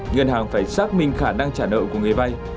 ngân hàng phải xác minh khả năng trả nợ của người vay